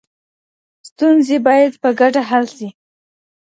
ستونزې باید په ګډه حل سي.